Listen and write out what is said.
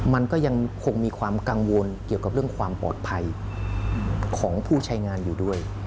มันก็ยังคงมีความกังวลเกี่ยวกับเรื่องความปลอดภัยของผู้ใช้งานอยู่ด้วย